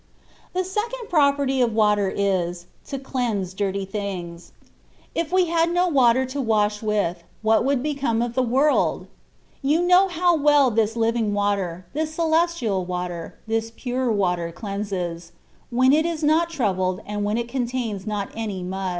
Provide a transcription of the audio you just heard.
The second property of water is, to cleanse dirty things. If we had no water to wash with, what would become of the world ? You know how well this ^' living water/' this celestial water, this pure water cleanses — ^when it is not troubled, and when it contains not any mud.